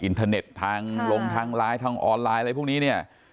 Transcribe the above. เทอร์เน็ตทางลงทางไลน์ทางออนไลน์อะไรพวกนี้เนี่ย